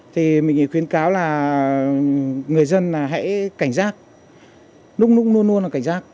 thì mình khuyến cáo là người dân hãy cảnh giác lúc lúc luôn luôn là cảnh giác